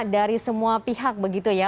dari semua pihak begitu ya